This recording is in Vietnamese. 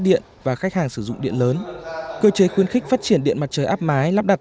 điện và khách hàng sử dụng điện lớn cơ chế khuyến khích phát triển điện mặt trời áp mái lắp đặt